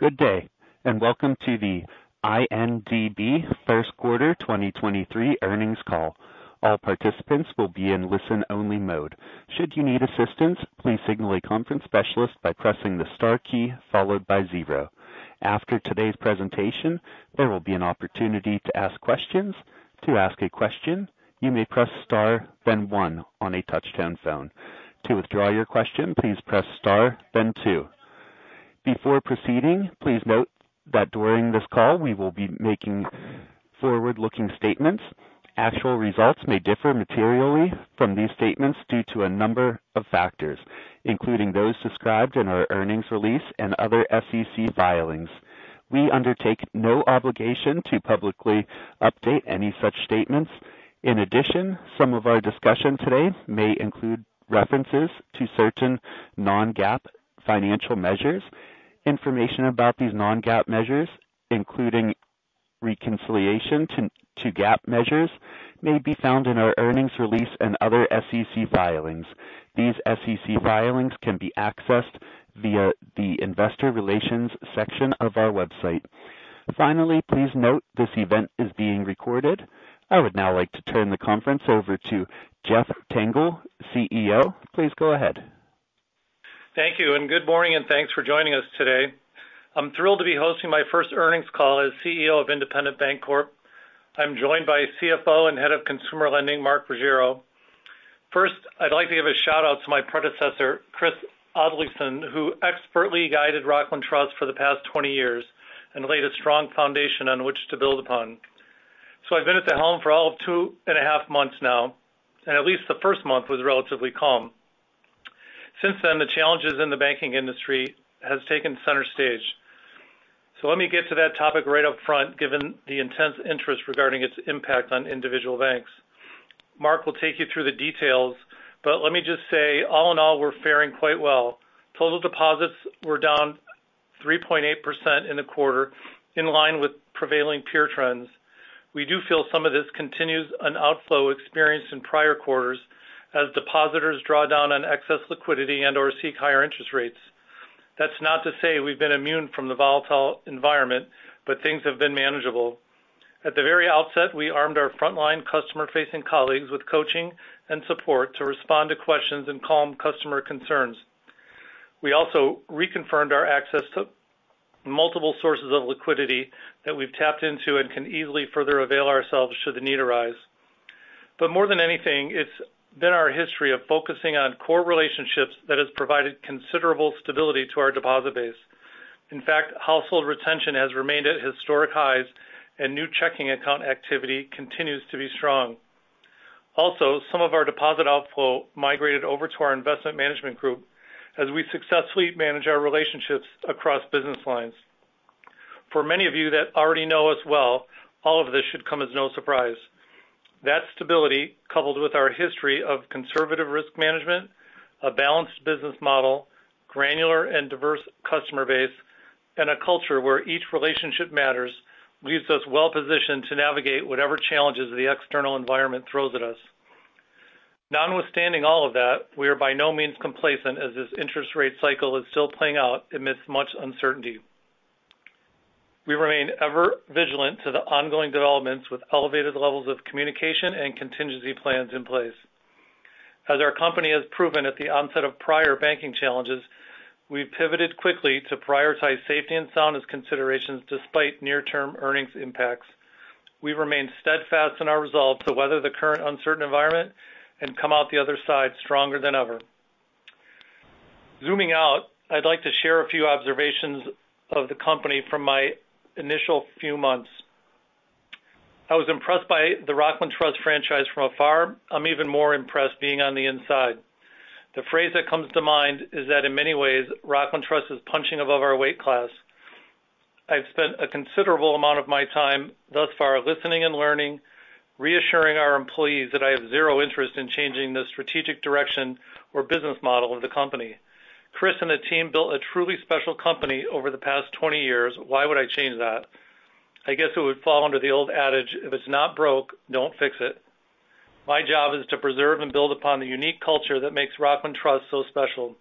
Good day, welcome to the INDB first quarter 2023 earnings call. All participants will be in listen-only mode. Should you need assistance, please signal a conference specialist by pressing the star key followed by zero. After today's presentation, there will be an opportunity to ask questions. To ask a question, you may press star then one on a touch-tone phone. To withdraw your question, please press star then two. Before proceeding, please note that during this call we will be making forward-looking statements. Actual results may differ materially from these statements due to a number of factors, including those described in our earnings release and other SEC filings. We undertake no obligation to publicly update any such statements. Some of our discussion today may include references to certain non-GAAP financial measures. Information about these non-GAAP measures, including reconciliation to GAAP measures, may be found in our earnings release and other SEC filings. These SEC filings can be accessed via the investor relations section of our website. Finally, please note this event is being recorded. I would now like to turn the conference over to Jeffrey Tengel, CEO. Please go ahead. Thank you, good morning, and thanks for joining us today. I'm thrilled to be hosting my first earnings call as CEO of Independent Bank Corp. I'm joined by CFO and head of consumer lending, Mark Ruggiero. First, I'd like to give a shout-out to my predecessor, Christopher Oddleifson, who expertly guided Rockland Trust for the past 20 years and laid a strong foundation on which to build upon. I've been at the helm for all of 2.5 months now, and at least the first month was relatively calm. Since then, the challenges in the banking industry has taken center stage. Let me get to that topic right up front, given the intense interest regarding its impact on individual banks. Mark will take you through the details, but let me just say, all in all, we're faring quite well. Total deposits were down 3.8% in the quarter, in line with prevailing peer trends. We do feel some of this continues an outflow experienced in prior quarters as depositors draw down on excess liquidity and/or seek higher interest rates. That's not to say we've been immune from the volatile environment, but things have been manageable. At the very outset, we armed our frontline customer-facing colleagues with coaching and support to respond to questions and calm customer concerns. We also reconfirmed our access to multiple sources of liquidity that we've tapped into and can easily further avail ourselves should the need arise. But more than anything, it's been our history of focusing on core relationships that has provided considerable stability to our deposit base. In fact, household retention has remained at historic highs, and new checking account activity continues to be strong. Some of our deposit outflow migrated over to our investment management group as we successfully manage our relationships across business lines. For many of you that already know us well, all of this should come as no surprise. That stability, coupled with our history of conservative risk management, a balanced business model, granular and diverse customer base, and a culture where each relationship matters, leaves us well positioned to navigate whatever challenges the external environment throws at us. Notwithstanding all of that, we are by no means complacent as this interest rate cycle is still playing out amidst much uncertainty. We remain ever vigilant to the ongoing developments with elevated levels of communication and contingency plans in place. As our company has proven at the onset of prior banking challenges, we've pivoted quickly to prioritize safety and soundness considerations despite near-term earnings impacts. We remain steadfast in our resolve to weather the current uncertain environment and come out the other side stronger than ever. Zooming out, I'd like to share a few observations of the company from my initial few months. I was impressed by the Rockland Trust franchise from afar. I'm even more impressed being on the inside. The phrase that comes to mind is that in many ways, Rockland Trust is punching above our weight class. I've spent a considerable amount of my time thus far listening and learning, reassuring our employees that I have zero interest in changing the strategic direction or business model of the company. Chris and the team built a truly special company over the past 20 years. Why would I change that? I guess it would fall under the old adage, if it's not broke, don't fix it. My job is to preserve and build upon the unique culture that makes Rockland Trust so special.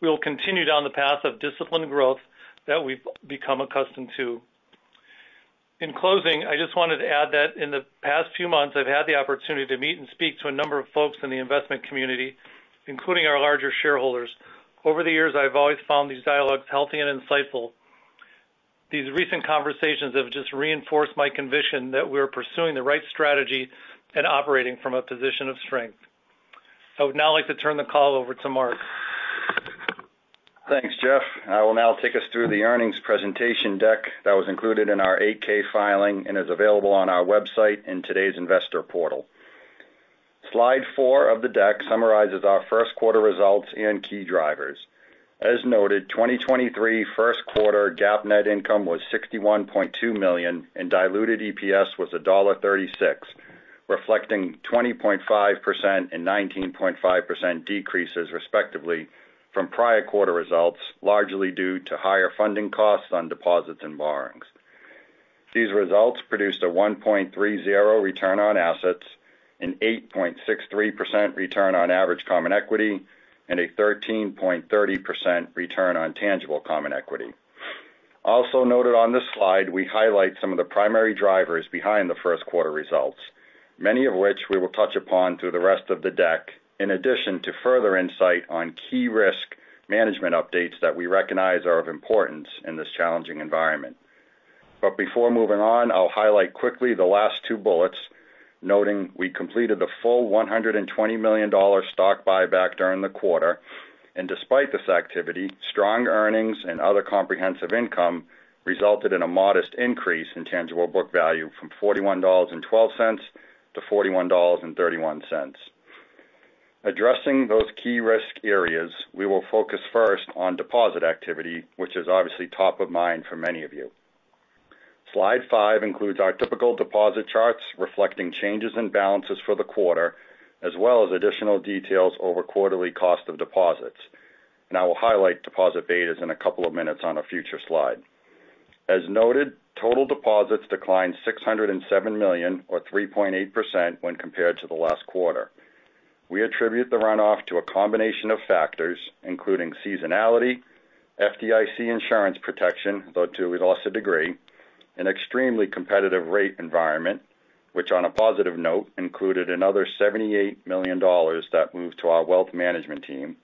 We will continue down the path of disciplined growth that we've become accustomed to. In closing, I just wanted to add that in the past few months, I've had the opportunity to meet and speak to a number of folks in the investment community, including our larger shareholders. Over the years, I've always found these dialogues healthy and insightful. These recent conversations have just reinforced my conviction that we're pursuing the right strategy and operating from a position of strength. I would now like to turn the call over to Mark. Thanks, Jeff. I will now take us through the earnings presentation deck that was included in our 8-K filing and is available on our website in today's investor portal. Slide four of the deck summarizes our first quarter results and key drivers. As noted, 2023 first quarter GAAP net income was $61.2 million, and diluted EPS was $1.36, reflecting 20.5% and 19.5% decreases, respectively, from prior quarter results, largely due to higher funding costs on deposits and borrowings. These results produced a 1.30 return on assets, an 8.63% return on average common equity, and a 13.30% return on tangible common equity. Also noted on this slide, we highlight some of the primary drivers behind the first quarter results, many of which we will touch upon through the rest of the deck, in addition to further insight on key risk management updates that we recognize are of importance in this challenging environment. Before moving on, I'll highlight quickly the last two bullets, noting we completed the full $120 million stock buyback during the quarter. Despite this activity, strong earnings and other comprehensive income resulted in a modest increase in tangible book value from $41.12 to $41.31. Addressing those key risk areas, we will focus first on deposit activity, which is obviously top of mind for many of you. Slide five includes our typical deposit charts reflecting changes in balances for the quarter, as well as additional details over quarterly cost of deposits. I will highlight deposit betas in a couple of minutes on a future slide. As noted, total deposits declined $607 million or 3.8% when compared to the last quarter. We attribute the runoff to a combination of factors, including seasonality, FDIC insurance protection, though to a loss degree, an extremely competitive rate environment, which on a positive note, included another $78 million that moved to our wealth management team.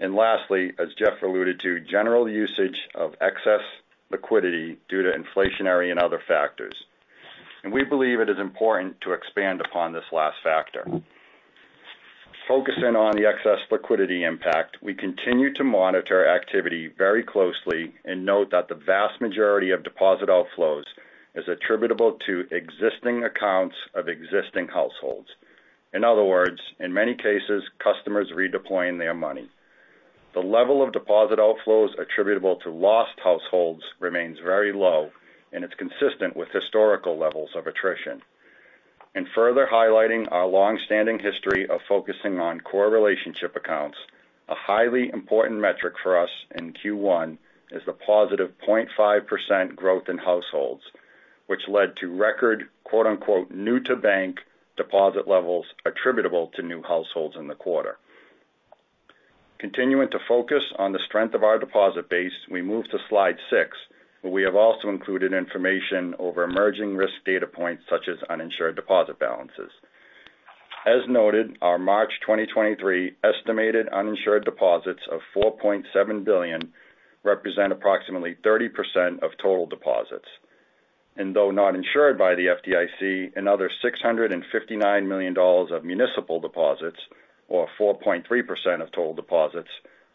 Lastly, as Jeff alluded to, general usage of excess liquidity due to inflationary and other factors. We believe it is important to expand upon this last factor. Focusing on the excess liquidity impact, we continue to monitor activity very closely and note that the vast majority of deposit outflows is attributable to existing accounts of existing households. In other words, in many cases, customers redeploying their money. The level of deposit outflows attributable to lost households remains very low and it's consistent with historical levels of attrition. Further highlighting our long-standing history of focusing on core relationship accounts, a highly important metric for us in Q1 is the positive 0.5% growth in households, which led to record quote-unquote new to bank deposit levels attributable to new households in the quarter. Continuing to focus on the strength of our deposit base, we move to slide 6, where we have also included information over emerging risk data points such as uninsured deposit balances. As noted, our March 2023 estimated uninsured deposits of $4.7 billion represent approximately 30% of total deposits. Though not insured by the FDIC, another $659 million of municipal deposits, or 4.3% of total deposits,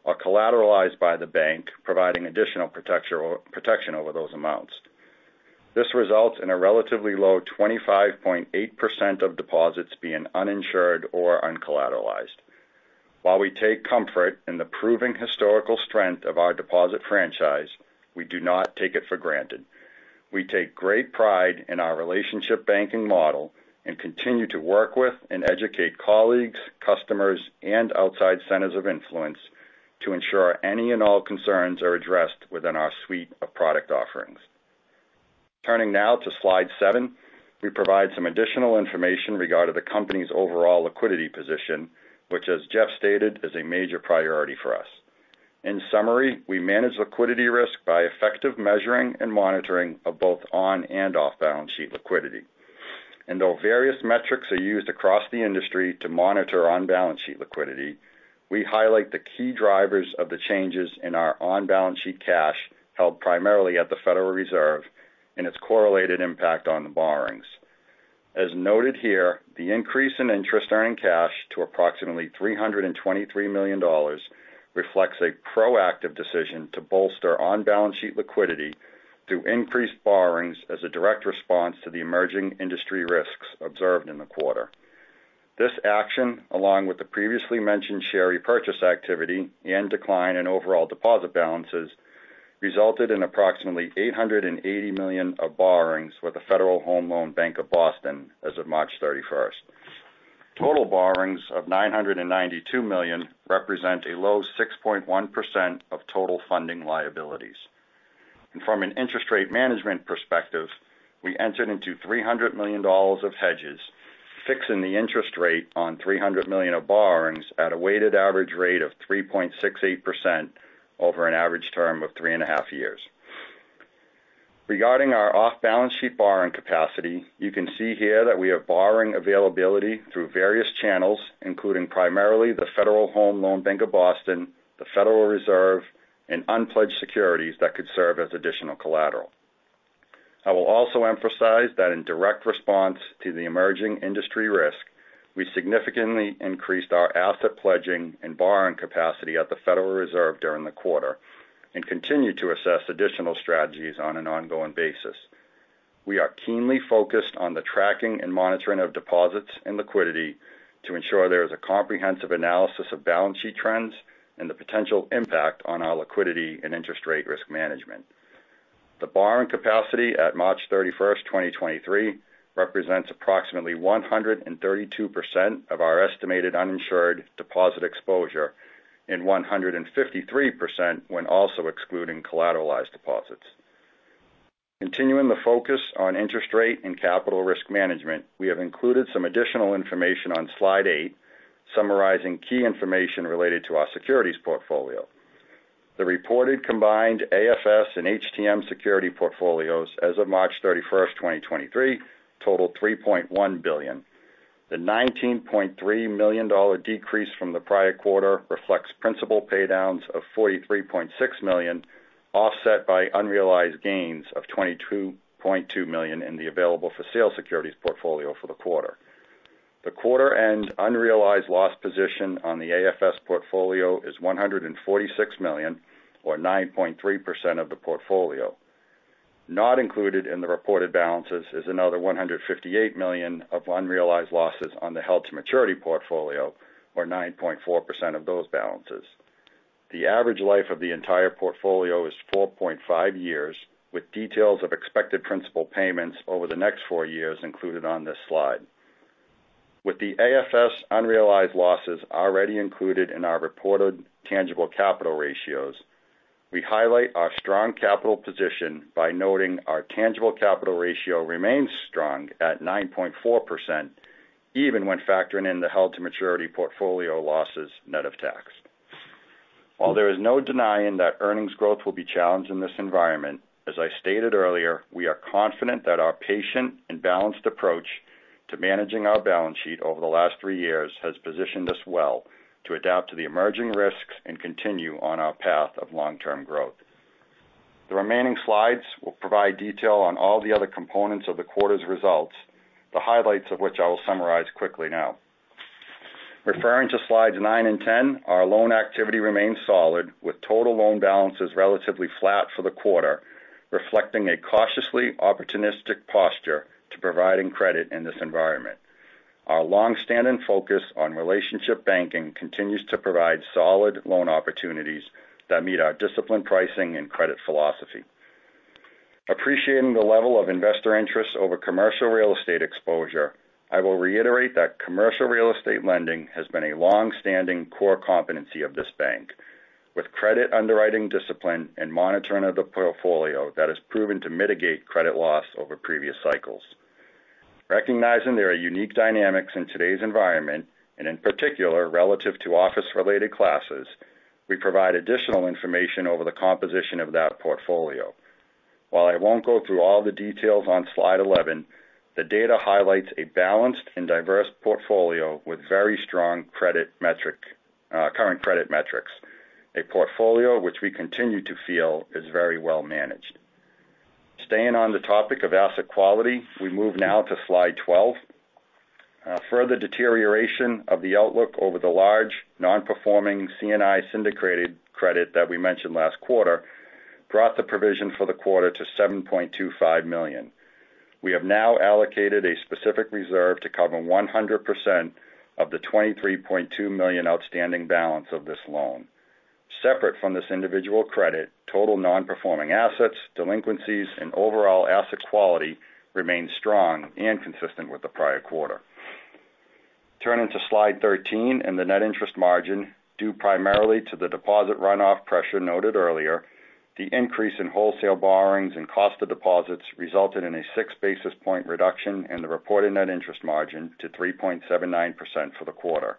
are collateralized by the bank, providing additional protection over those amounts. This results in a relatively low 25.8% of deposits being uninsured or uncollateralized. While we take comfort in the proven historical strength of our deposit franchise, we do not take it for granted. We take great pride in our relationship banking model and continue to work with and educate colleagues, customers, and outside centers of influence to ensure any and all concerns are addressed within our suite of product offerings. Turning now to slide 7, we provide some additional information regarding the company's overall liquidity position, which as Jeff Tangel stated, is a major priority for us. In summary, we manage liquidity risk by effective measuring and monitoring of both on and off-balance sheet liquidity. Though various metrics are used across the industry to monitor on-balance sheet liquidity, we highlight the key drivers of the changes in our on-balance sheet cash held primarily at the Federal Reserve and its correlated impact on the borrowings. As noted here, the increase in interest earning cash to approximately $323 million reflects a proactive decision to bolster on-balance sheet liquidity through increased borrowings as a direct response to the emerging industry risks observed in the quarter. This action, along with the previously mentioned share repurchase activity and decline in overall deposit balances, resulted in approximately $880 million of borrowings with the Federal Home Loan Bank of Boston as of March 31st. Total borrowings of $992 million represent a low 6.1% of total funding liabilities. From an interest rate management perspective, we entered into $300 million of hedges, fixing the interest rate on $300 million of borrowings at a weighted average rate of 3.68% over an average term of three and a half years. Regarding our off-balance sheet borrowing capacity, you can see here that we have borrowing availability through various channels, including primarily the Federal Home Loan Bank of Boston, the Federal Reserve, and unpledged securities that could serve as additional collateral. I will also emphasize that in direct response to the emerging industry risk, we significantly increased our asset pledging and borrowing capacity at the Federal Reserve during the quarter and continue to assess additional strategies on an ongoing basis. We are keenly focused on the tracking and monitoring of deposits and liquidity to ensure there is a comprehensive analysis of balance sheet trends and the potential impact on our liquidity and interest rate risk management. The borrowing capacity at March 31, 2023 represents approximately 132% of our estimated uninsured deposit exposure and 153% when also excluding collateralized deposits. Continuing the focus on interest rate and capital risk management, we have included some additional information on slide 8 summarizing key information related to our securities portfolio. The reported combined AFS and HTM security portfolios as of March 31st, 2023 totaled $3.1 billion. The $19.3 million decrease from the prior quarter reflects principal pay downs of $43.6 million, offset by unrealized gains of $22.2 million in the available for sale securities portfolio for the quarter. The quarter end unrealized loss position on the AFS portfolio is $146 million, or 9.3% of the portfolio. Not included in the reported balances is another $158 million of unrealized losses on the held to maturity portfolio, or 9.4% of those balances. The average life of the entire portfolio is 4.5 years, with details of expected principal payments over the next four years included on this slide. With the AFS unrealized losses already included in our reported tangible capital ratios, we highlight our strong capital position by noting our tangible capital ratio remains strong at 9.4% even when factoring in the held to maturity portfolio losses net of tax. There is no denying that earnings growth will be challenged in this environment, as I stated earlier, we are confident that our patient and balanced approach to managing our balance sheet over the last three years has positioned us well to adapt to the emerging risks and continue on our path of long-term growth. The remaining slides will provide detail on all the other components of the quarter's results, the highlights of which I will summarize quickly now. Referring to slides 9 and 10, our loan activity remains solid, with total loan balances relatively flat for the quarter, reflecting a cautiously opportunistic posture to providing credit in this environment. Our long-standing focus on relationship banking continues to provide solid loan opportunities that meet our disciplined pricing and credit philosophy. Appreciating the level of investor interest over commercial real estate exposure, I will reiterate that commercial real estate lending has been a long-standing core competency of this bank, with credit underwriting discipline and monitoring of the portfolio that has proven to mitigate credit loss over previous cycles. Recognizing there are unique dynamics in today's environment, and in particular, relative to office-related classes, we provide additional information over the composition of that portfolio. While I won't go through all the details on slide 11, the data highlights a balanced and diverse portfolio with very strong credit metrics, current credit metrics, a portfolio which we continue to feel is very well managed. Staying on the topic of asset quality, we move now to slide 12. Further deterioration of the outlook over the large non-performing C&I syndicated credit that we mentioned last quarter brought the provision for the quarter to $7.25 million. We have now allocated a specific reserve to cover 100% of the $23.2 million outstanding balance of this loan. Separate from this individual credit, total non-performing assets, delinquencies, and overall asset quality remains strong and consistent with the prior quarter. Turning to slide 13 and the net interest margin due primarily to the deposit runoff pressure noted earlier, the increase in wholesale borrowings and cost of deposits resulted in a 6 basis point reduction in the reported net interest margin to 3.79% for the quarter.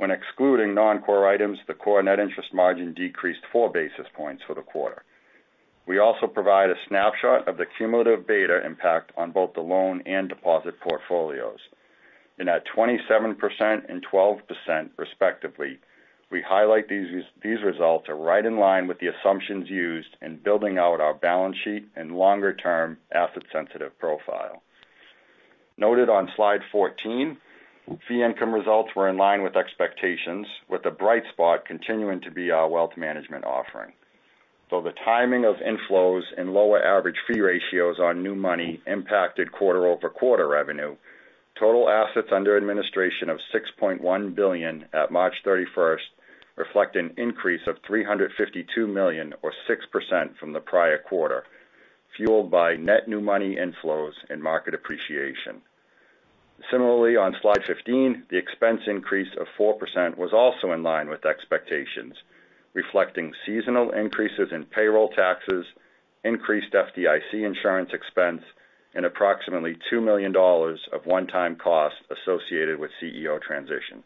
When excluding non-core items, the core net interest margin decreased 4 basis points for the quarter. We also provide a snapshot of the cumulative beta impact on both the loan and deposit portfolios. In at 27% and 12% respectively, we highlight these results are right in line with the assumptions used in building out our balance sheet and longer-term asset-sensitive profile. Noted on slide 14, fee income results were in line with expectations, with the bright spot continuing to be our wealth management offering. Though the timing of inflows and lower average fee ratios on new money impacted quarter-over-quarter revenue, total assets under administration of $6.1 billion at March 31st reflect an increase of $352 million or 6% from the prior quarter, fueled by net new money inflows and market appreciation. Similarly, on slide 15, the expense increase of 4% was also in line with expectations, reflecting seasonal increases in payroll taxes, increased FDIC insurance expense and approximately $2 million of one-time costs associated with CEO transition.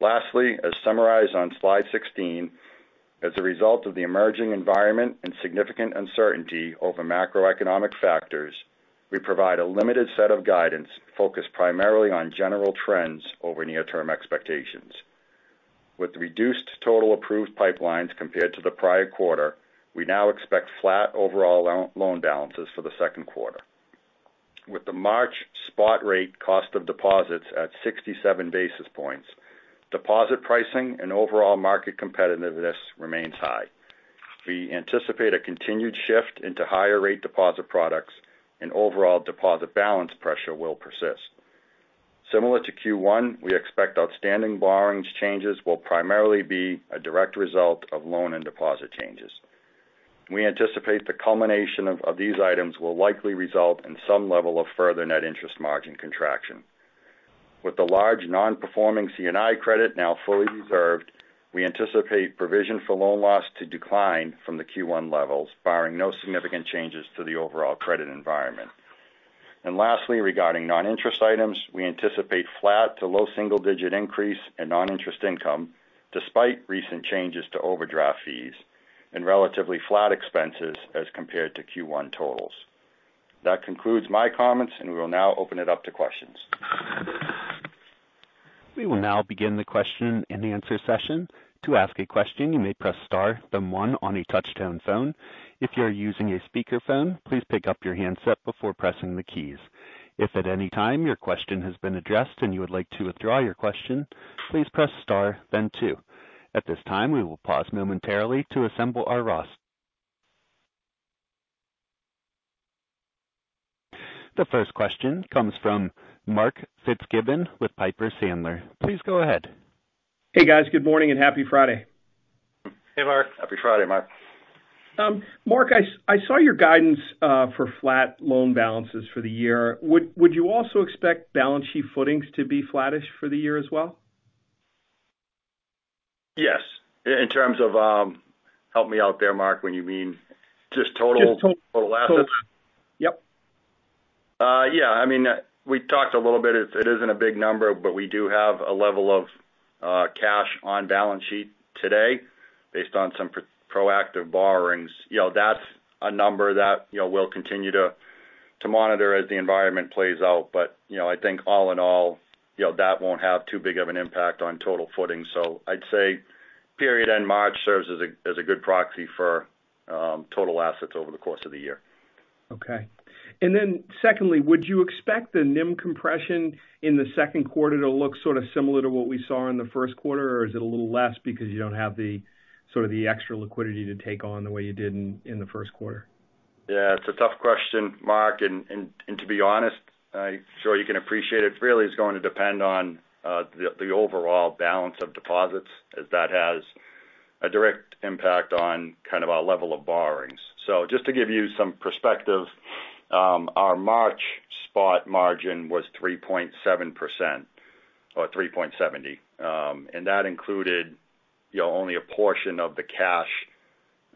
Lastly, as summarized on slide 16, as a result of the emerging environment and significant uncertainty over macroeconomic factors, we provide a limited set of guidance focused primarily on general trends over near-term expectations. With reduced total approved pipelines compared to the prior quarter, we now expect flat overall loan balances for the second quarter. With the March spot rate cost of deposits at 67 basis points, deposit pricing and overall market competitiveness remains high. We anticipate a continued shift into higher rate deposit products and overall deposit balance pressure will persist. Similar to Q1, we expect outstanding borrowings changes will primarily be a direct result of loan and deposit changes. We anticipate the culmination of these items will likely result in some level of further net interest margin contraction. With the large non-performing C&I credit now fully reserved, we anticipate provision for loan loss to decline from the Q1 levels, barring no significant changes to the overall credit environment. Lastly, regarding non-interest items, we anticipate flat to low single-digit increase in non-interest income despite recent changes to overdraft fees and relatively flat expenses as compared to Q1 totals. That concludes my comments, and we will now open it up to questions. We will now begin the question and answer session. To ask a question, you may press star then one on a touch-tone phone. If you are using a speakerphone, please pick up your handset before pressing the keys. If at any time your question has been addressed and you would like to withdraw your question, please press star then two. At this time, we will pause momentarily to assemble our. The first question comes from Mark Fitzgibbon with Piper Sandler. Please go ahead. Hey, guys. Good morning and happy Friday. Hey, Mark. Happy Friday, Mark. Mark, I saw your guidance for flat loan balances for the year. Would you also expect balance sheet footings to be flattish for the year as well? Yes. In terms of, help me out there, Mark, when you mean just total-? Just total.... total assets? Yep. Yeah, I mean, we talked a little bit, it isn't a big number. We do have a level of cash on balance sheet today based on some proactive borrowings. You know, that's a number that, you know, we'll continue to monitor as the environment plays out. You know, I think all in all, you know, that won't have too big of an impact on total footing. I'd say period end March serves as a good proxy for total assets over the course of the year. Okay. Secondly, would you expect the NIM compression in the second quarter to look sort of similar to what we saw in the first quarter? Is it a little less because you don't have sort of the extra liquidity to take on the way you did in the first quarter? Yeah, it's a tough question, Mark. To be honest, I'm sure you can appreciate it really is going to depend on the overall balance of deposits as that has a direct impact on kind of our level of borrowings. Just to give you some perspective, our March spot margin was 3.7%, or 3.70, and that included, you know, only a portion of the cash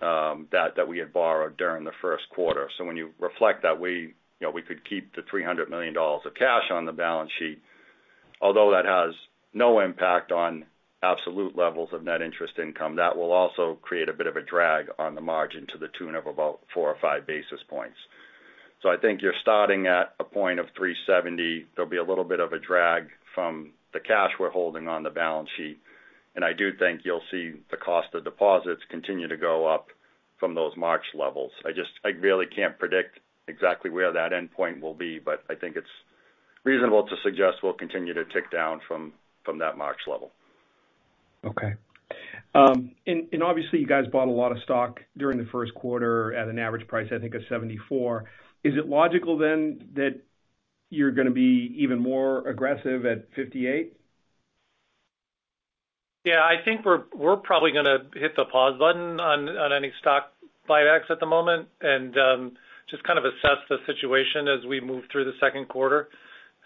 that we had borrowed during the first quarter. When you reflect that we, you know, we could keep the $300 million of cash on the balance sheet, although that has no impact on absolute levels of net interest income, that will also create a bit of a drag on the margin to the tune of about four or five basis points. I think you're starting at a point of 370. There'll be a little bit of a drag from the cash we're holding on the balance sheet. I do think you'll see the cost of deposits continue to go up from those March levels. I really can't predict exactly where that endpoint will be, but I think it's reasonable to suggest we'll continue to tick down from that March level. Okay. Obviously you guys bought a lot of stock during the first quarter at an average price, I think of $74. Is it logical then that you're gonna be even more aggressive at $58? Yeah, I think we're probably gonna hit the pause button on any stock buybacks at the moment and just kind of assess the situation as we move through the second quarter.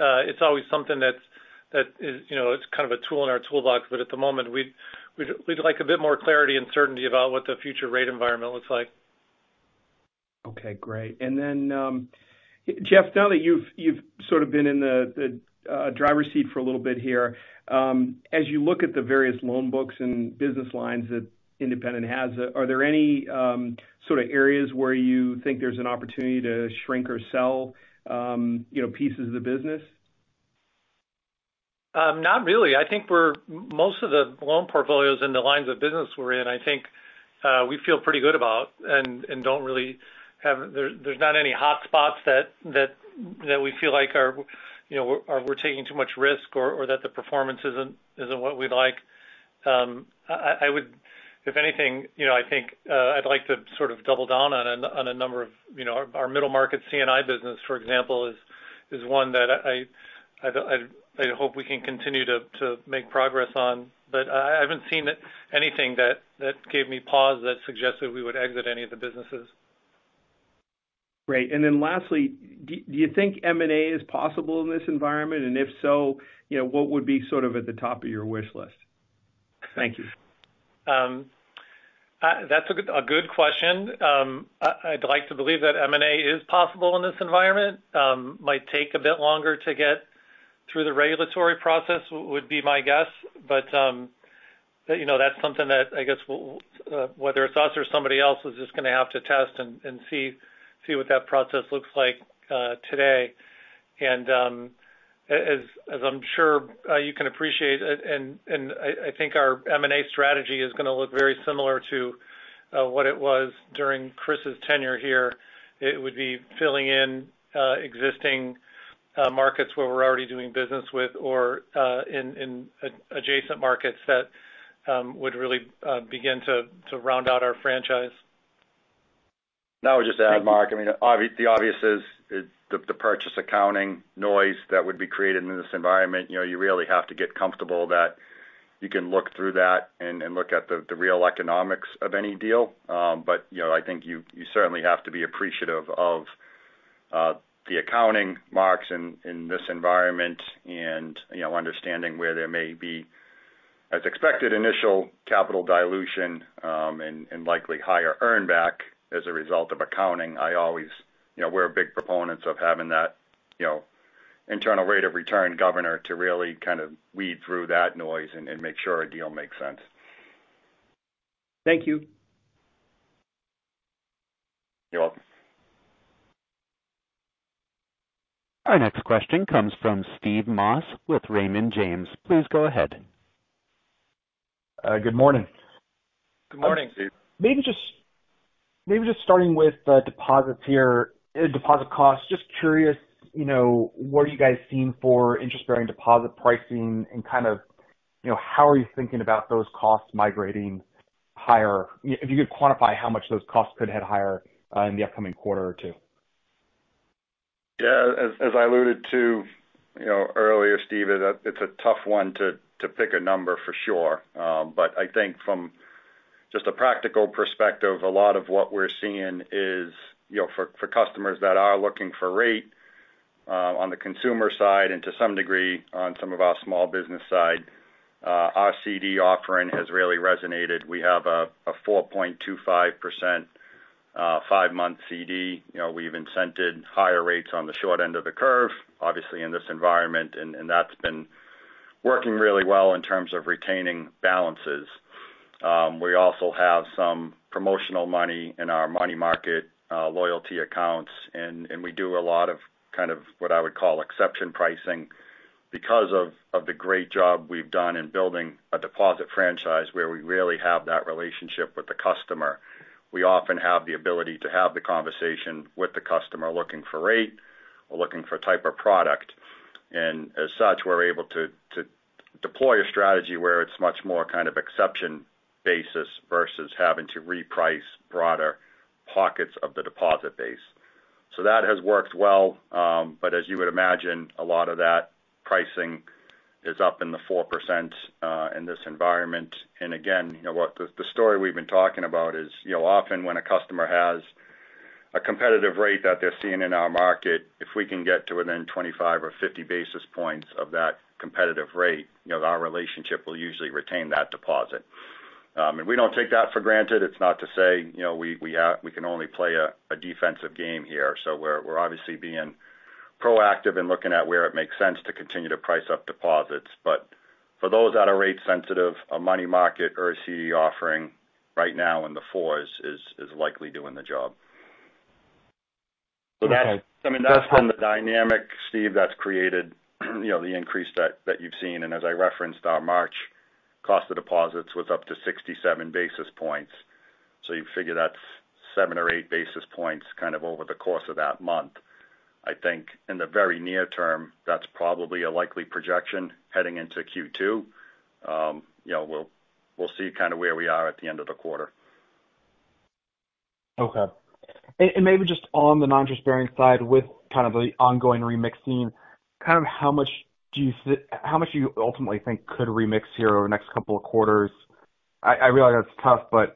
It's always something that is, you know, it's kind of a tool in our toolbox. At the moment, we'd like a bit more clarity and certainty about what the future rate environment looks like. Okay, great. Jeff, now that you've sort of been in the driver's seat for a little bit here, as you look at the various loan books and business lines that Independent has, are there any, sort of areas where you think there's an opportunity to shrink or sell, you know, pieces of the business? Not really. I think most of the loan portfolios in the lines of business we're in, I think we feel pretty good about and don't really have. There's not any hotspots that we feel like are, you know, we're taking too much risk or that the performance isn't what we'd like. If anything, you know, I think I'd like to sort of double down on a number of, you know, our middle market C&I business, for example, is one that I hope we can continue to make progress on. I haven't seen anything that gave me pause that suggested we would exit any of the businesses. Great. Lastly, do you think M&A is possible in this environment? If so, you know, what would be sort of at the top of your wish list? Thank you. That's a good question. I'd like to believe that M&A is possible in this environment. Might take a bit longer to get through the regulatory process, would be my guess. You know, that's something that I guess we'll, whether it's us or somebody else is just gonna have to test and see what that process looks like today. As I'm sure you can appreciate, and I think our M&A strategy is gonna look very similar to what it was during Chris's tenure here. It would be filling in existing markets where we're already doing business with or in adjacent markets that would really begin to round out our franchise. Now I would just add, Mark, I mean, the obvious is the purchase accounting noise that would be created in this environment, you know, you really have to get comfortable that you can look through that and look at the real economics of any deal. You know, I think you certainly have to be appreciative of the accounting marks in this environment and, you know, understanding where there may be as expected initial capital dilution, and likely higher earn back as a result of accounting. I always, you know, we're big proponents of having that, you know, internal rate of return governor to really kind of weed through that noise and make sure a deal makes sense. Thank you. You're welcome. Our next question comes from Steve Moss with Raymond James. Please go ahead. Good morning. Good morning, Steve. Maybe just starting with, deposits here, deposit costs. Just curious, you know, what are you guys seeing for interest-bearing deposit pricing and kind of, you know, how are you thinking about those costs migrating higher? If you could quantify how much those costs could head higher in the upcoming quarter or two. Yeah. As I alluded to, you know, earlier, Steve, it's a tough one to pick a number for sure. I think from just a practical perspective, a lot of what we're seeing is, you know, for customers that are looking for rate, on the consumer side and to some degree on some of our small business side, our CD offering has really resonated. We have a 4.25%, five month CD. You know, we've incented higher rates on the short end of the curve, obviously in this environment, that's been working really well in terms of retaining balances. We also have some promotional money in our money market loyalty accounts, and we do a lot of kind of what I would call exception pricing because of the great job we've done in building a deposit franchise where we really have that relationship with the customer. We often have the ability to have the conversation with the customer looking for rate or looking for type of product. As such, we're able to deploy a strategy where it's much more kind of exception basis versus having to reprice broader pockets of the deposit base. That has worked well. As you would imagine, a lot of that pricing is up in the 4% in this environment. Again, you know what, the story we've been talking about is, you know, often when a customer has a competitive rate that they're seeing in our market, if we can get to within 25 or 50 basis points of that competitive rate, you know, our relationship will usually retain that deposit. We don't take that for granted. It's not to say, you know, we can only play a defensive game here. We're obviously being proactive in looking at where it makes sense to continue to price up deposits. For those that are rate sensitive, a money market or a CD offering right now in the fours is likely doing the job. Okay. I mean, that's been the dynamic, Steve, that's created, you know, the increase that you've seen. As I referenced, our March cost of deposits was up to 67 basis points. You figure that's 7 or 8 basis points kind of over the course of that month. I think in the very near term, that's probably a likely projection heading into Q2. You know, we'll see kind of where we are at the end of the quarter. Okay. Maybe just on the non-interest-bearing side with kind of the ongoing remixing, kind of how much do you ultimately think could remix here over the next couple of quarters? I realize that's tough, but,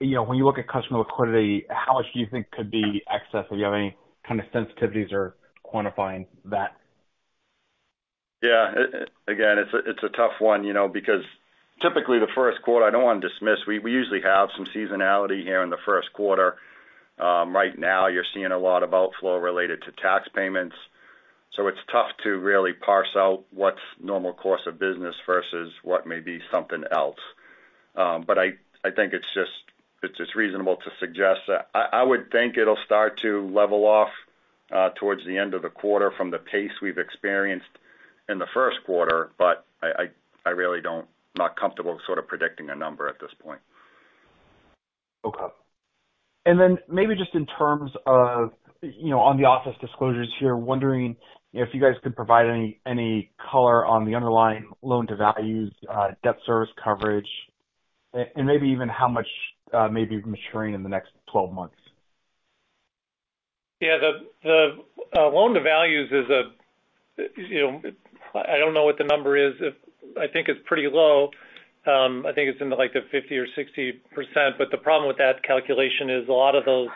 you know, when you look at customer liquidity, how much do you think could be excess? Do you have any kind of sensitivities or quantifying that? Yeah. Again, it's a tough one, you know, because typically the first quarter I don't want to dismiss. We usually have some seasonality here in the first quarter. Right now you're seeing a lot of outflow related to tax payments, so it's tough to really parse out what's normal course of business versus what may be something else. I think it's just, it's just reasonable to suggest that. I would think it'll start to level off towards the end of the quarter from the pace we've experienced in the first quarter, but I really don't, I'm not comfortable sort of predicting a number at this point. Okay. Maybe just in terms of, you know, on the office disclosures here, wondering if you guys could provide any color on the underlying loan to values, debt service coverage, and maybe even how much may be maturing in the next 12 months? The loan-to-values is a, you know, I don't know what the number is. I think it's pretty low. I think it's in the like the 50% or 60%. The problem with that calculation is a lot of those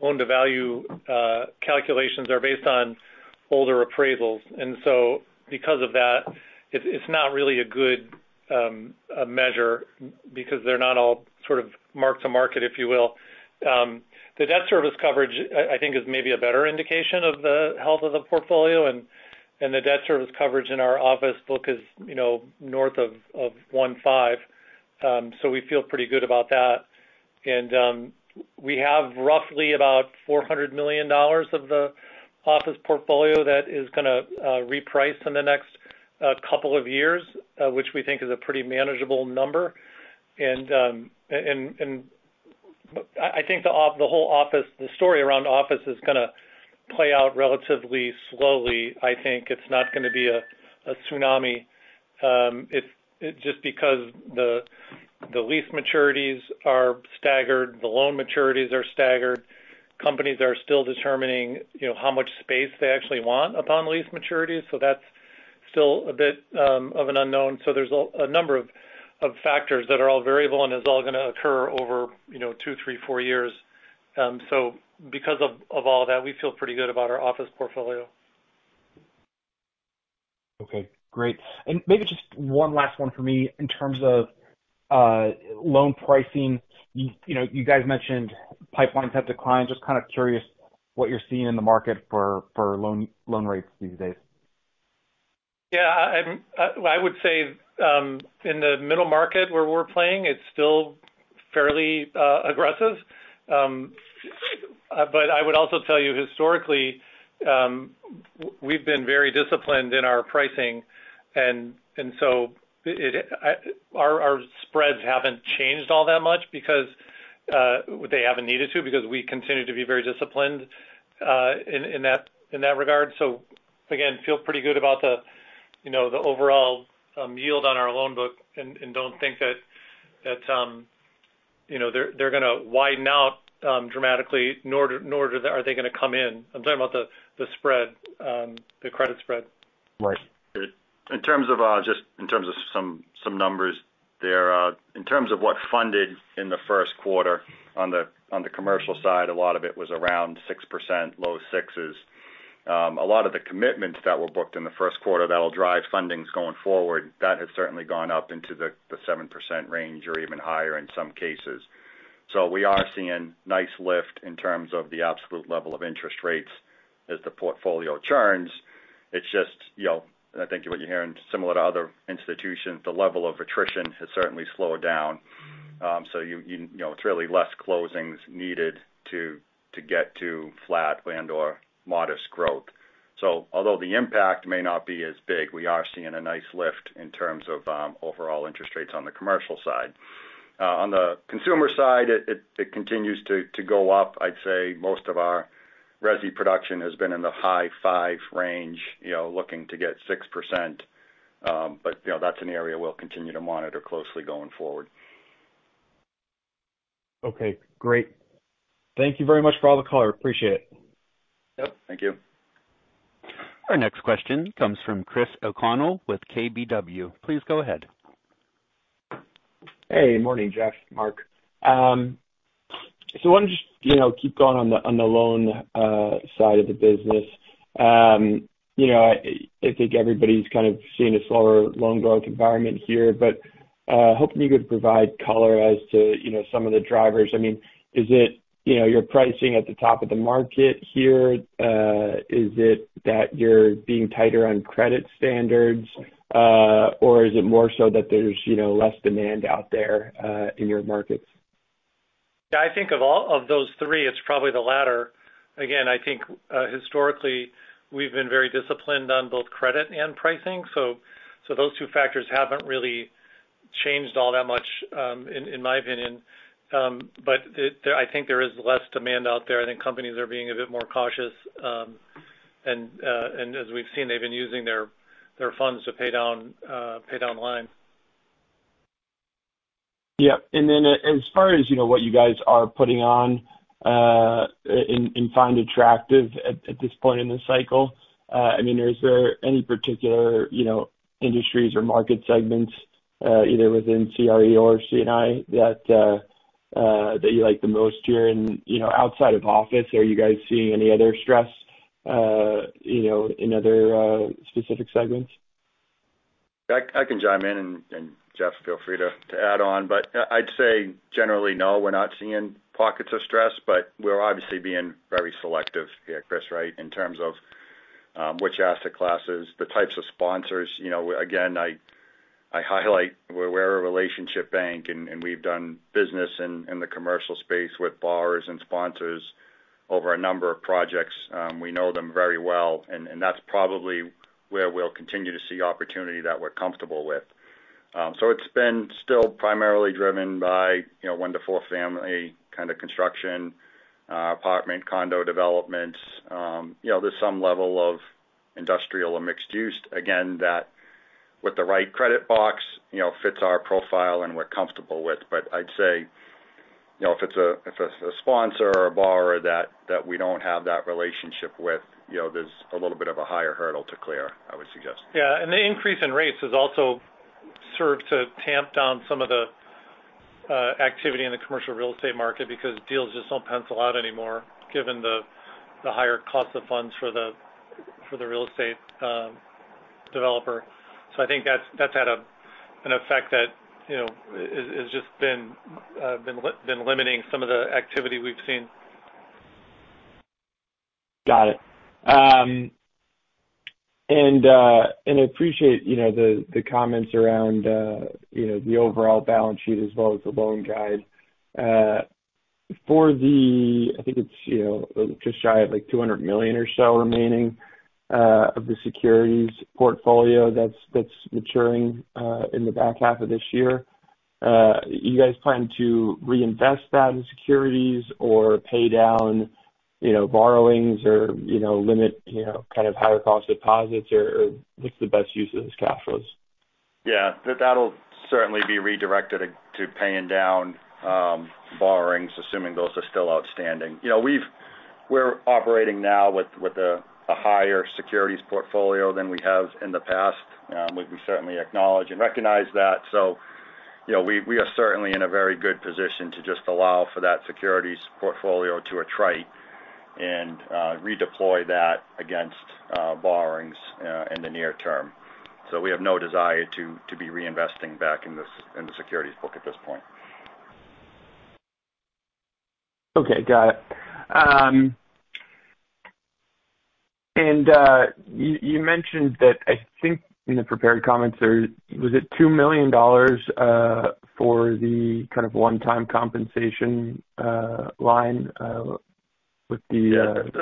loan-to-value calculations are based on older appraisals. Because of that, it's not really a good measure because they're not all sort of mark-to-market, if you will. The debt service coverage I think is maybe a better indication of the health of the portfolio. The debt service coverage in our office book is, you know, north of 1.5. We feel pretty good about that. We have roughly about $400 million of the office portfolio that is gonna reprice in the next couple of years, which we think is a pretty manageable number. I think the whole office, the story around office is gonna play out relatively slowly. I think it's not gonna be a tsunami, just because the lease maturities are staggered. The loan maturities are staggered. Companies are still determining, you know, how much space they actually want upon lease maturities. That's still a bit of an unknown. There's a number of factors that are all variable and is all gonna occur over, you know, two, three, four years. Because of all that, we feel pretty good about our office portfolio. Okay, great. Maybe just one last one for me in terms of loan pricing. You know, you guys mentioned pipelines have declined. Just kind of curious what you're seeing in the market for loan rates these days? Yeah. I would say, in the middle market where we're playing, it's still fairly aggressive. I would also tell you historically, we've been very disciplined in our pricing and our spreads haven't changed all that much because they haven't needed to, because we continue to be very disciplined in that regard. Again, feel pretty good about the, you know, the overall yield on our loan book and don't think that, you know, they're gonna widen out dramatically, nor are they gonna come in. I'm talking about the spread, the credit spread. Right. In terms of, just in terms of some numbers there. In terms of what funded in the first quarter on the commercial side, a lot of it was around 6%, low sixes. A lot of the commitments that were booked in the first quarter that'll drive fundings going forward, that has certainly gone up into the 7% range or even higher in some cases. We are seeing nice lift in terms of the absolute level of interest rates as the portfolio churns. It's just, you know, I think what you're hearing similar to other institutions, the level of attrition has certainly slowed down. You know, it's really less closings needed to get to flat land or modest growth. Although the impact may not be as big, we are seeing a nice lift in terms of overall interest rates on the commercial side. On the consumer side, it continues to go up. I'd say most of our resi production has been in the high five range, you know, looking to get 6%. That's an area we'll continue to monitor closely going forward. Okay, great. Thank you very much for all the color. Appreciate it. Yep, thank you. Our next question comes from Chris O'Connell with KBW. Please go ahead. Hey. Morning, Jeff, Mark. I wanna just, you know, keep going on the loan side of the business. You know, I think everybody's kind of seeing a slower loan growth environment here, but hoping you could provide color as to, you know, some of the drivers. I mean, is it, you know, your pricing at the top of the market here? Is it that you're being tighter on credit standards? Is it more so that there's, you know, less demand out there in your markets? Yeah. I think of all of those three, it's probably the latter. Again, I think, historically, we've been very disciplined on both credit and pricing. Those two factors haven't really changed all that much, in my opinion. I think there is less demand out there, companies are being a bit more cautious. As we've seen, they've been using their funds to pay down the line. Yeah. As far as you know, what you guys are putting on, and find attractive at this point in the cycle, I mean, is there any particular, you know, industries or market segments, either within CRE or C&I that you like the most here in, you know, outside of office? Are you guys seeing any other stress, you know, in other, specific segments? I can chime in and Jeff feel free to add on. I'd say generally, no, we're not seeing pockets of stress. We're obviously being very selective. Chris, right, in terms of which asset classes, the types of sponsors. You know, again, I highlight we're a relationship bank and we've done business in the commercial space with borrowers and sponsors over a number of projects. We know them very well, and that's probably where we'll continue to see opportunity that we're comfortable with. It's been still primarily driven by, you know, 1-4 family kind of construction, apartment, condo developments. You know, there's some level of industrial and mixed use, again, that with the right credit box, fits our profile and we're comfortable with. I'd say, you know, if it's a, if it's a sponsor or a borrower that we don't have that relationship with, you know, there's a little bit of a higher hurdle to clear, I would suggest. Yeah. The increase in rates has also served to tamp down some of the activity in the commercial real estate market because deals just don't pencil out anymore given the higher cost of funds for the real estate developer. I think that's had an effect that, you know, has just been limiting some of the activity we've seen. Got it. I appreciate, you know, the comments around, you know, the overall balance sheet as well as the loan guide. For the, I think it's, you know, just shy of like $200 million or so remaining of the securities portfolio that's maturing in the back half of this year. You guys plan to reinvest that in securities or pay down, you know, borrowings or, you know, limit, you know, kind of higher cost deposits or what's the best use of those cash flows? Yeah. That'll certainly be redirected to paying down borrowings, assuming those are still outstanding. You know, we're operating now with a higher securities portfolio than we have in the past. We certainly acknowledge and recognize that. You know, we are certainly in a very good position to just allow for that securities portfolio to attrite and redeploy that against borrowings in the near term. We have no desire to be reinvesting back in the securities book at this point. Okay. Got it. You mentioned that, I think in the prepared comments, or was it $2 million, for the kind of one-time compensation, line, with the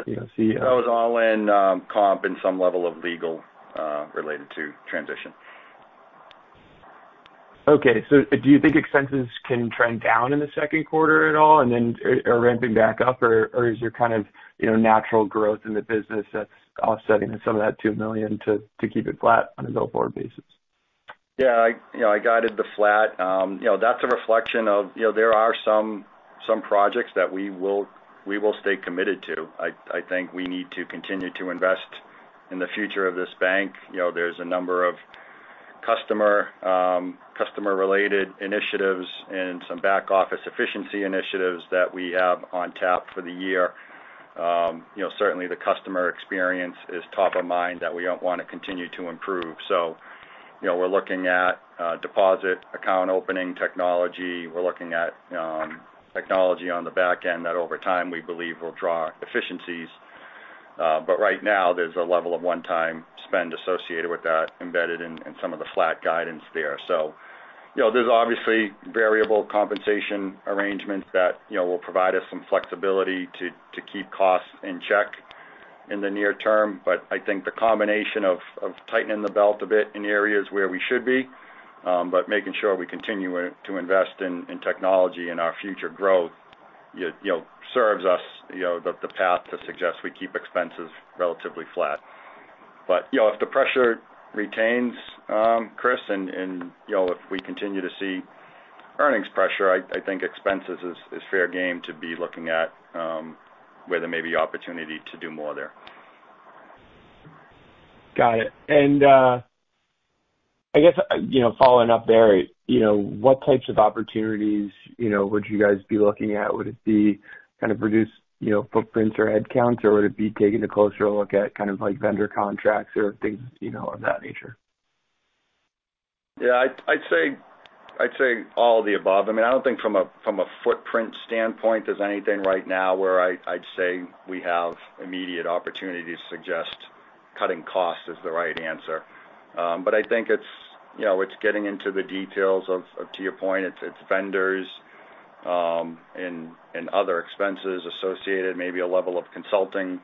COC? That was all in, comp and some level of legal, related to transition. Do you think expenses can trend down in the second quarter at all and then are ramping back up? Or is your kind of, you know, natural growth in the business that's offsetting some of that $2 million to keep it flat on a go-forward basis? Yeah, I, you know, I guided the flat. You know, that's a reflection of, you know, there are some projects that we will stay committed to. I think we need to continue to invest in the future of this bank. You know, there's a number of customer-related initiatives and some back-office efficiency initiatives that we have on tap for the year. You know, certainly the customer experience is top of mind that we don't wanna continue to improve. You know, we're looking at deposit account opening technology. We're looking at technology on the back end that over time we believe will draw efficiencies. Right now, there's a level of one-time spend associated with that embedded in some of the flat guidance there. There's obviously variable compensation arrangements that, you know, will provide us some flexibility to keep costs in check in the near term. I think the combination of tightening the belt a bit in areas where we should be, but making sure we continue to invest in technology and our future growth, you know, serves us the path to suggest we keep expenses relatively flat. If the pressure retains, Chris, and, you know, if we continue to see earnings pressure, I think expenses is fair game to be looking at, where there may be opportunity to do more there. Got it. I guess, you know, following up there, you know, what types of opportunities, you know, would you guys be looking at? Would it be kind of reduce, you know, footprints or headcounts, or would it be taking a closer look at kind of like vendor contracts or things, you know, of that nature? Yeah. I'd say all of the above. I mean, I don't think from a footprint standpoint there's anything right now where I'd say we have immediate opportunity to suggest cutting costs is the right answer. I think it's, you know, it's getting into the details of to your point, it's vendors, and other expenses associated, maybe a level of consulting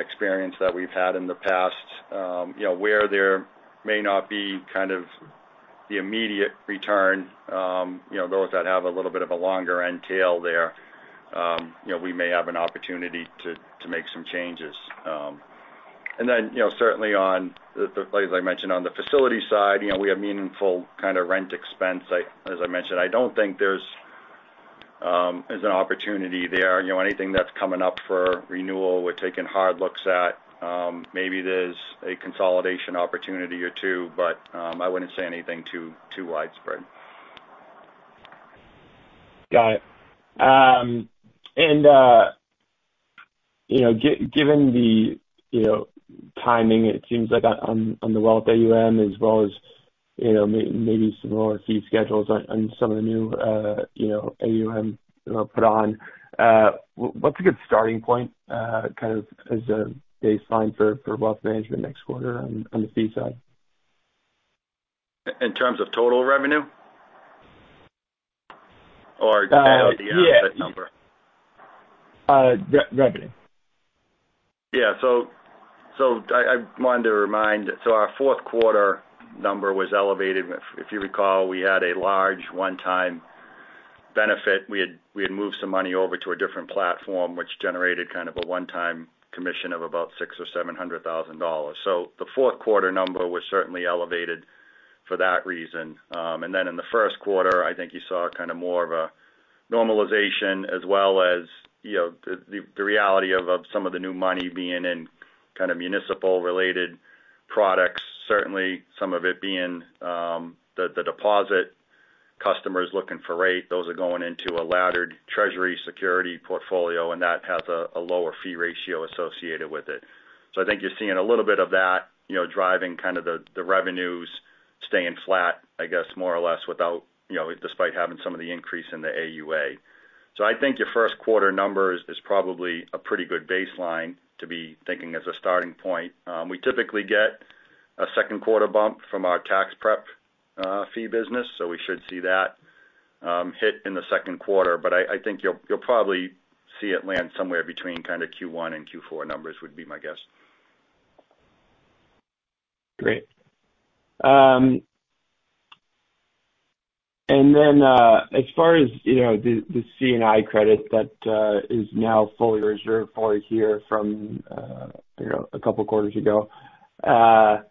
experience that we've had in the past, you know, where there may not be kind of the immediate return, you know, those that have a little bit of a longer end tail there. You know, we may have an opportunity to make some changes. Then, you know, certainly on the, as I mentioned, on the facility side, you know, we have meaningful kind of rent expense. As I mentioned, I don't think there's an opportunity there. You know, anything that's coming up for renewal, we're taking hard looks at, maybe there's a consolidation opportunity or two, but I wouldn't say anything too widespread. Got it. You know, given the, you know, timing, it seems like on the wealth AUM as well as, you know, maybe some lower fee schedules on some of the new, you know, AUM, you know, put on, what's a good starting point, kind of as a baseline for wealth management next quarter on the fee side? In terms of total revenue or just the AUM asset number? Revenue. I wanted to remind, our fourth quarter number was elevated. If you recall, we had a large one-time benefit. We had moved some money over to a different platform, which generated kind of a one-time commission of about $600,000-$700,000. The fourth quarter number was certainly elevated for that reason. In the first quarter, I think you saw kind of more of a normalization as well as, you know, the reality of some of the new money being in kind of municipal-related products. Certainly, some of it being, the deposit customers looking for rate. Those are going into a laddered Treasury security portfolio, and that has a lower fee ratio associated with it. I think you're seeing a little bit of that, you know, driving kind of the revenues staying flat, I guess more or less without, you know, despite having some of the increase in the AUA. I think your first quarter numbers is probably a pretty good baseline to be thinking as a starting point. We typically get a second quarter bump from our tax prep fee business, so we should see that hit in the second quarter. I think you'll probably see it land somewhere between kind of Q1 and Q4 numbers would be my guess. Great. As far as, you know, the C&I credit that is now fully reserved for here from, you know, a couple quarters ago, can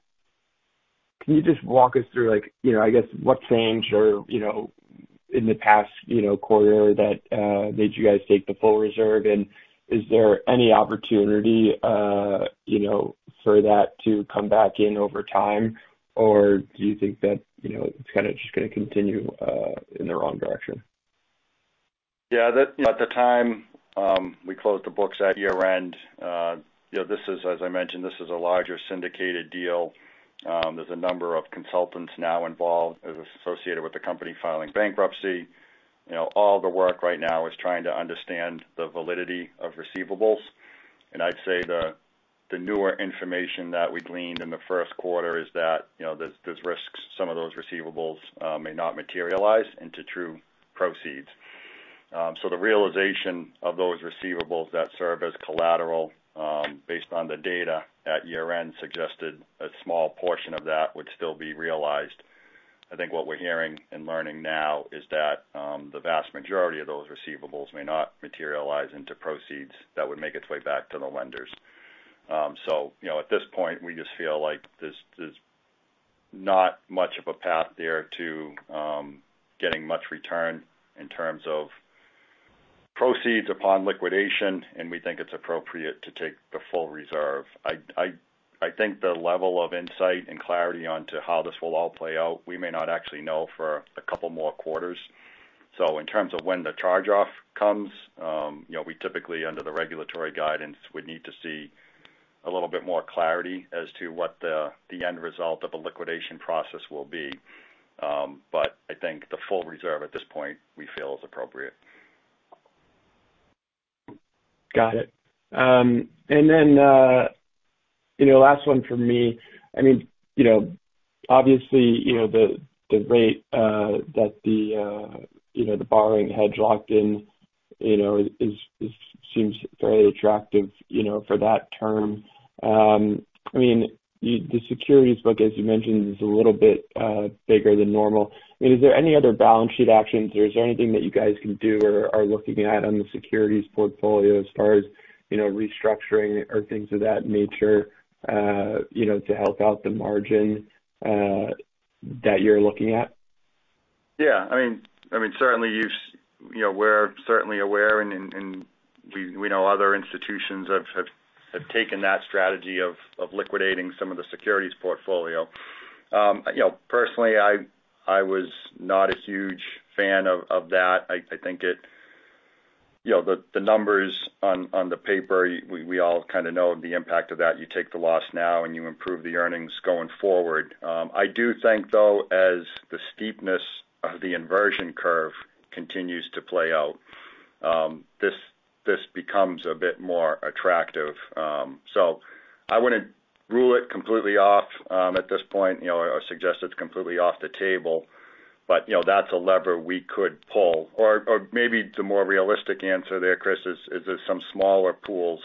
you just walk us through like, you know, I guess what changed or, you know, in the past, you know, quarter that made you guys take the full reserve? Is there any opportunity, you know, for that to come back in over time? Do you think that, you know, it's kinda just gonna continue in the wrong direction? At the time, we closed the books at year-end. You know, this is, as I mentioned, this is a larger syndicated deal. There's a number of consultants now involved as associated with the company filing bankruptcy. You know, all the work right now is trying to understand the validity of receivables. I'd say the newer information that we gleaned in the first quarter is that, you know, there's risks some of those receivables may not materialize into true proceeds. The realization of those receivables that serve as collateral, based on the data at year-end, suggested a small portion of that would still be realized. I think what we're hearing and learning now is that the vast majority of those receivables may not materialize into proceeds that would make its way back to the lenders. You know, at this point, we just feel like there's not much of a path there to getting much return in terms of proceeds upon liquidation, and we think it's appropriate to take the full reserve. I think the level of insight and clarity onto how this will all play out, we may not actually know for a couple more quarters. In terms of when the charge-off comes, you know, we typically, under the regulatory guidance, would need to see a little bit more clarity as to what the end result of the liquidation process will be. But I think the full reserve at this point we feel is appropriate. Got it. Last one for me. The rate that the borrowing had locked in seems very attractive for that term. The securities book, as you mentioned, is a little bit bigger than normal. Is there any other balance sheet actions or is there anything that you guys can do or are looking at on the securities portfolio as far as restructuring or things of that nature to help out the margin that you're looking at? I mean, you know, we're certainly aware and we know other institutions have taken that strategy of liquidating some of the securities portfolio. You know, personally, I was not a huge fan of that. I think. You know, the numbers on the paper, we all kind of know the impact of that. You take the loss now, and you improve the earnings going forward. I do think, though, as the steepness of the inversion curve continues to play out, this becomes a bit more attractive. I wouldn't rule it completely off at this point, you know, or suggest it's completely off the table. You know, that's a lever we could pull. Or maybe the more realistic answer there, Chris, is there's some smaller pools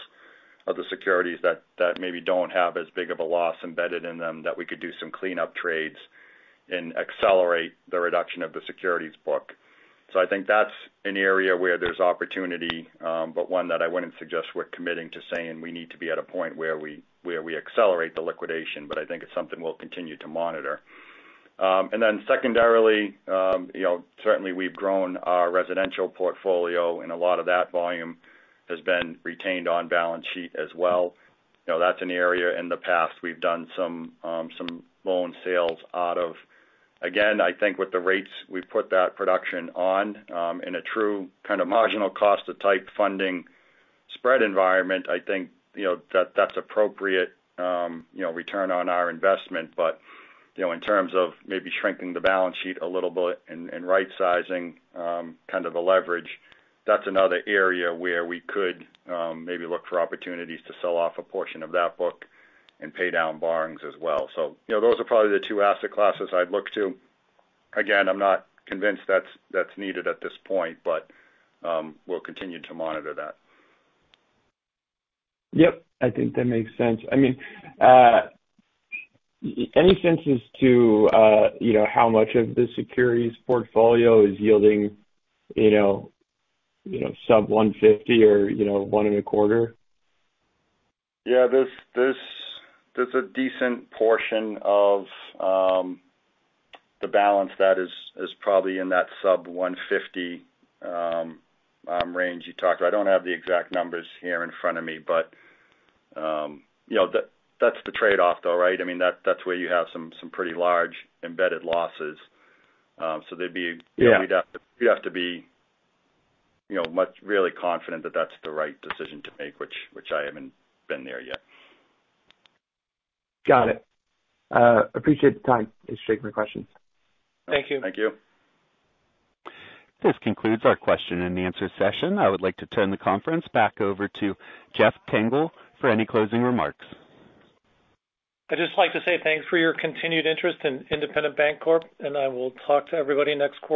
of the securities that maybe don't have as big of a loss embedded in them that we could do some cleanup trades and accelerate the reduction of the securities book. I think that's an area where there's opportunity, but one that I wouldn't suggest we're committing to saying we need to be at a point where we accelerate the liquidation, but I think it's something we'll continue to monitor. Secondarily, you know, certainly we've grown our residential portfolio, and a lot of that volume has been retained on balance sheet as well. You know, that's an area in the past we've done some loan sales out of. I think with the rates we put that production on, in a true kind of marginal cost of type funding spread environment, I think, you know, that that's appropriate, you know, return on our investment. You know, in terms of maybe shrinking the balance sheet a little bit and right sizing, kind of the leverage, that's another area where we could, maybe look for opportunities to sell off a portion of that book and pay down borrowings as well. You know, those are probably the two asset classes I'd look to. I'm not convinced that's needed at this point, but, we'll continue to monitor that. Yep, I think that makes sense. I mean, any sense as to, you know, how much of the securities portfolio is yielding, you know, sub 150 or, you know, one and a quarter? Yeah. There's a decent portion of the balance that is probably in that sub 150 range you talked about. I don't have the exact numbers here in front of me, but, you know, that's the trade-off though, right? I mean, that's where you have some pretty large embedded losses. There'd be Yeah. You know, we'd have to be, you know, much really confident that that's the right decision to make, which I haven't been there yet. Got it. Appreciate the time. That's it for my questions. Thank you. Thank you. This concludes our question and answer session. I would like to turn the conference back over to Jeffrey Tengel for any closing remarks. I'd just like to say thanks for your continued interest in Independent Bank Corp, and I will talk to everybody next quarter.